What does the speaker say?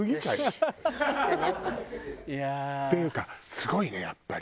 ハハハハ！っていうかすごいねやっぱり。